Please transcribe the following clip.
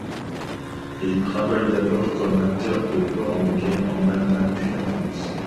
Il travaille d'abord comme acteur de porno gay en Allemagne, puis en France.